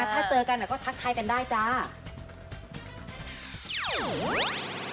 ถ้าเจอกันก็ทักทายกันได้จ้า